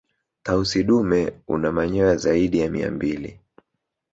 tausi dume una manyoa zaidi ya mia mbili